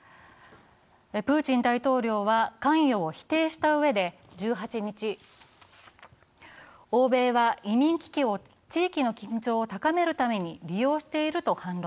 プーチン大統領は関与を否定したうえで１８日、欧米は移民危機を地域の緊張を高めるために利用していると反論。